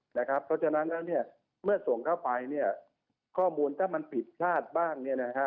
เพราะฉะนั้นเมื่อส่งเข้าไปข้อมูลถ้ามันปิดค่าบ้างนะคะ